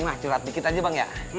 nah curhat dikit aja bang ya